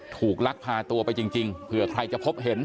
ถูกลักษณ์พาตัวไปจริงจริงเผื่อใครจะพบเห็น